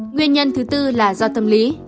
nguyên nhân thứ tư là do tâm lý